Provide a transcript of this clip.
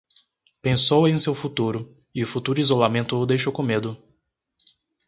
Pensou em seu futuro e o futuro isolamento o deixou com medo.